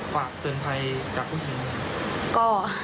ฝากเตือนภัยกับผู้ถึง